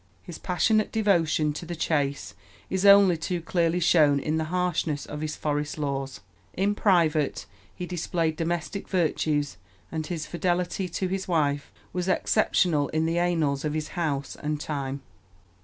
His passionate devotion to the chase is only too clearly shown in the harshness of his forest laws. In private life he displayed domestic virtues, and his fidelity to his wife was exceptional in the annals of his house and time.